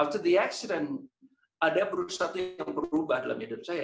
setelah kejadian ada berusaha yang berubah dalam hidup saya